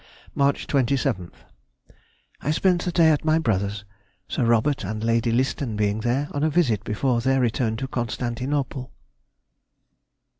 March 27th.—I spent the day at my brother's, Sir Robert and Lady Liston being there on a visit before their return to Constantinople.